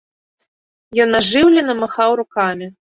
Ён ажыўлена махаў рукамі.